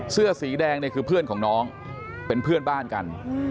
เสื้อสีแดงเนี่ยคือเพื่อนของน้องเป็นเพื่อนบ้านกัน